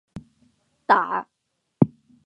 打